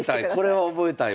これは覚えたいわ。